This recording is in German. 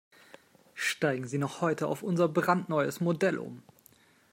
Steigen Sie noch heute auf unser brandneues Modell um!